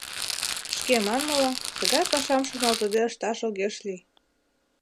Шке манмыла, тыгай пашам шоналтыде ышташ огеш лий.